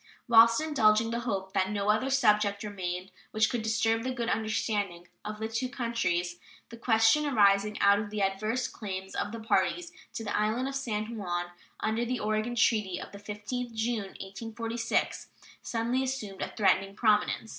Whilst indulging the hope that no other subject remained which could disturb the good understanding between the two countries, the question arising out of the adverse claims of the parties to the island of San Juan, under the Oregon treaty of the 15th June, 1846, suddenly assumed a threatening prominence.